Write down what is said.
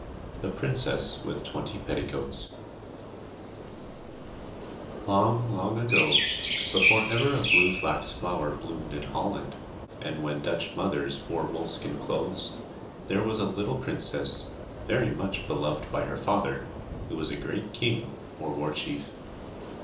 THE PRINCESS WITH TWENTY PETTICOATS Long, long ago, before ever a blue flax flower bloomed in Holland, and when Dutch mothers wore wolf skin clothes, there was a little princess, very much beloved by her father, who was a great king, or war chief.